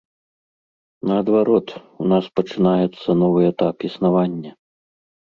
Наадварот, у нас пачынаецца новы этап існавання.